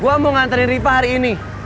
gue mau nganterin ripa hari ini